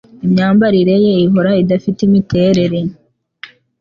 Imyambarire ye ihora idafite imiterere.